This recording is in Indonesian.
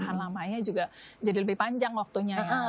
lahan lamanya juga jadi lebih panjang waktunya ya